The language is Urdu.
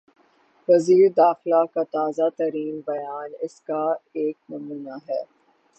وزیر داخلہ کا تازہ ترین بیان اس کا ایک نمونہ ہے۔